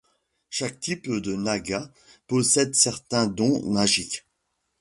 Chaque type de naga possède certains dons magiques.